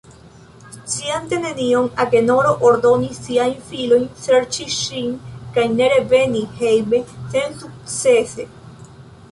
Sciante nenion, Agenoro ordonis siajn filojn serĉi ŝin, kaj ne reveni hejmen sensukcese.